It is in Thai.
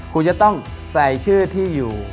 คุณจะต้องใส่ชื่อที่อยู่